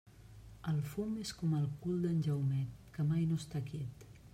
El fum és com el cul d'en Jaumet, que mai no està quiet.